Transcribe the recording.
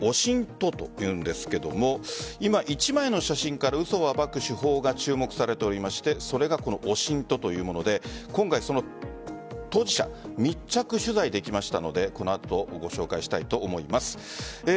ＯＳＩＮＴというんですが今、１枚の写真から嘘を暴く手法が注目されておりましてそれがこのＯＳＩＮＴというもので今回、その当事者密着取材できましたのでこの後、ご紹介したいと思います。